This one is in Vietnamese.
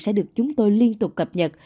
sẽ được chúng tôi liên tục cập nhật